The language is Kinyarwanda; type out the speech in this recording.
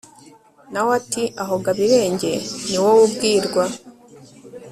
na we ati «aho gabirenge ni wowe ubwirwa»